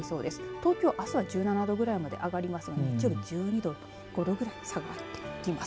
東京、あすは１７度ぐらいまで上がりますが日曜日は１２度５度ぐらい下がってきます。